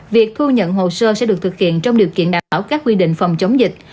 việc thu nhận hồ sơ sẽ được thực hiện trong điều kiện đảo các quy định phòng chống dịch